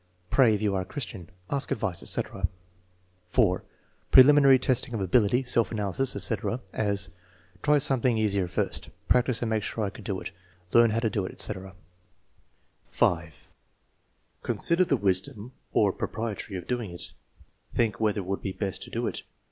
"Pray, if you are a Christian." "Ask advice," etc. (4) Preliminary testing of ability, self analysis, etc.; as: "Try something easier first." "Practice and make sure I could do it." "Learn how to do it," etc. (5) Consider the wisdom or propriety of doing it: "Think whether it would be best to do it."